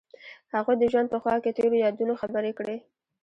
هغوی د ژوند په خوا کې تیرو یادونو خبرې کړې.